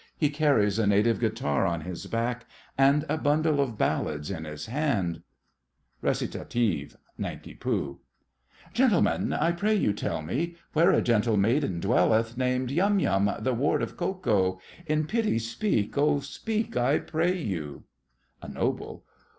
He carries a native guitar on his back and a bundle of ballads in his hand. RECIT.—NANKI POO. Gentlemen, I pray you tell me Where a gentle maiden dwelleth, Named Yum Yum, the ward of Ko Ko? In pity speak, oh speak I pray you! A NOBLE.